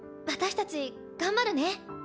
私たち頑張るね。